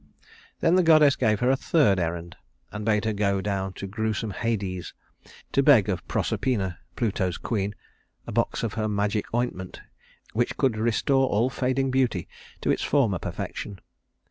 Then the goddess gave her a third errand, and bade her go down to gruesome Hades to beg of Proserpina, Pluto's queen, a box of her magic ointment, which could restore all fading beauty to its former perfection.